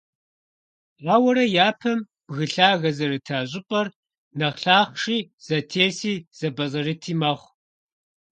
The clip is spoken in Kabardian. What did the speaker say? Ауэрэ, япэм бгы лъагэ зэрыта щIыпIэр нэхъ лъахъши, зэтеси, зэпIэзэрыти мэхъу.